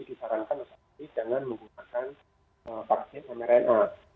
disarankan untuk jangan menggunakan vaksin mrna